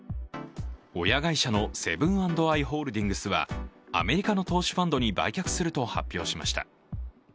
親会社のセブン＆アイ・ホールディングスはアメリカの投資ファンドに売却すると発表しました。